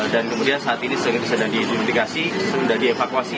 dan kemudian saat ini sedang diidentifikasi sudah dievakuasi